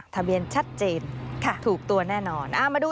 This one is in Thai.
ทะเบียนชัดเจนถูกตัวแน่นอนมาดู